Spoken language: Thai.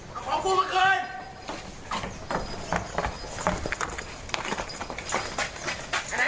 ขอบคุณพระเจ้า